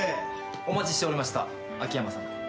お待ちしておりました秋山さま。